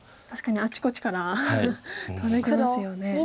確かにあちこちから飛んできますよね。